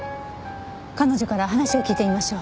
彼女から話を聞いてみましょう。